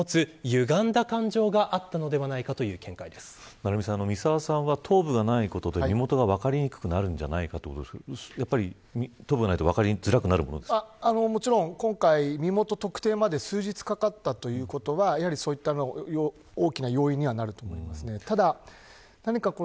成三さん三澤さんは頭部がないことで身元が分かりにくくなるんじゃないかということですがやっぱり頭部がないと今回、身元特定まで数日かかったということはやはりそういった大きな要因にはなると思います。